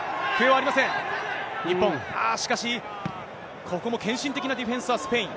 ああ、しかし、ここも献身的なディフェンスはスペイン。